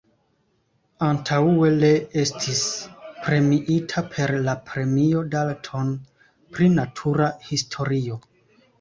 Antaŭe le estis premiita per la Premio Dalton pri natura historio.